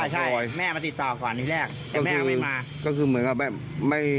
ใช่แม่มาติดต่อทำไมไม่มา